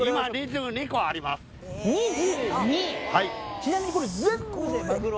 ちなみにこれ。